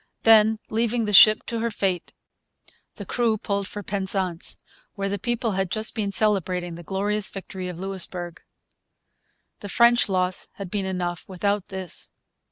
Then, leaving the ship to her fate, the crew pulled for Penzance, where the people had just been celebrating the glorious victory of Louisbourg. The French loss had been enough without this.